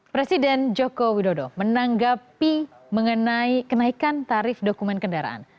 presiden jokowi dodo menanggapi mengenai kenaikan tarif dokumen kendaraan